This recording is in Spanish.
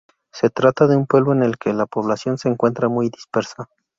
Se trata de un pueblo en el que la población se encuentra muy dispersa.